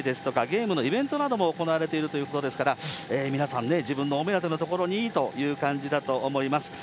ゲームのイベントなども行われているということですから、皆さん自分のお目当ての所にという感じだと思います。